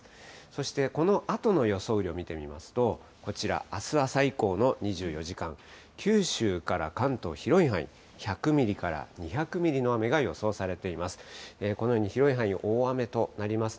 そしてこのあとの予想雨量見てみますと、こちら、あす朝以降の２４時間、九州から関東、広い範囲、１００ミリから２００ミリの雨が予想されています。